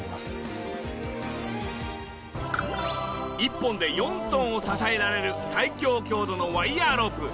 １本で４トンを支えられる最強強度のワイヤーロープ。